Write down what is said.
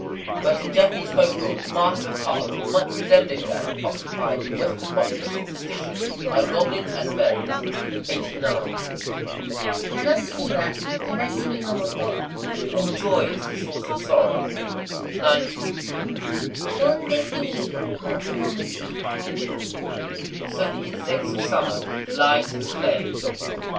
But in Japanese folklore the Ma have a part much resembling that occupied in Western popular superstition by goblins and fairies. 89.—Tanoshimi wa hanasimi no motoi. All joy is the source of sorrow. 90.—Tondé hi ni iru natsu no mushi. So the insects of summer fly to the flame.